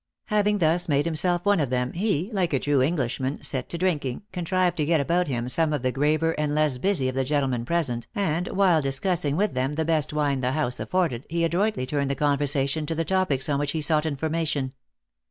Having thus made himself one of them, he, like a true Englishman, set to drinking, contrived to get about him some of the graver and less busy of the gentlemen present, and, while discussing with them the best wine the house THE ACTRESS IN HIGH LIFE. 347 afforded, he adroitly turned the conversation to the topics on which he sought information.